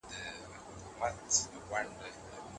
د ضرورت وړ شیان باید د کومو ذوقونو مطابق غوره سي؟